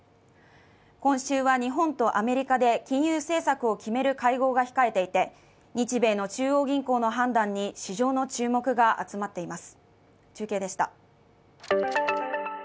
今週は日本とアメリカで金融政策を決める会合が控えていて日米の中央銀行の判断に市場の注目が集まっています。